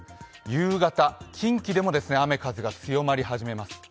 夕方、近畿でも雨風が強まり始めます。